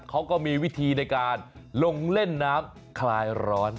เขาก็มีวิธีในการลงเล่นน้ำคลายร้อน